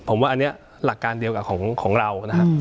ผมว่าอันนี้หลักการเดียวกับของเรานะครับ